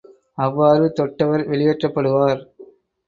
அவ்வாறு தொட்டவர் வெளியேற்றப்படுவார்.